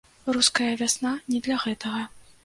Руская вясна не для гэтага.